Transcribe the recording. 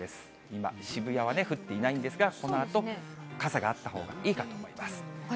今、渋谷は降っていないんですが、このあと、傘があったほうがいい分かりました。